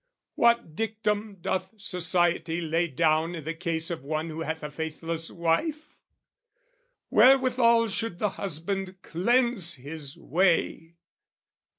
What dictum doth Society lay down I' the case of one who hath a faithless wife? Wherewithal should the husband cleanse his way?